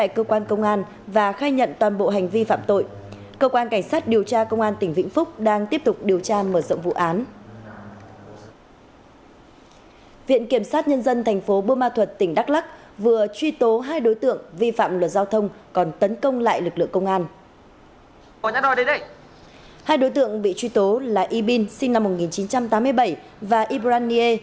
cơ quan cảnh sát điều tra công an thị xã vĩnh yên tỉnh vĩnh phúc đã quyết định khởi tố bịa can lệnh bắt tạm giam đối với đặng kim quốc thọ để điều tra